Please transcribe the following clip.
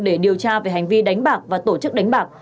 để điều tra về hành vi đánh bạc và tổ chức đánh bạc